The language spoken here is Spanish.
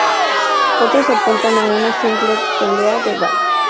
Otros apuntan a una simple pelea de bar.